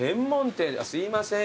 すいません